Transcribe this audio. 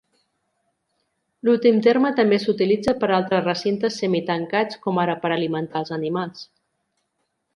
L'últim terme també s'utilitza per a altres recintes semitancats, com ara per alimentar els animals.